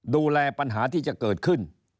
ดูแลปัญหาที่จะเกิดขึ้น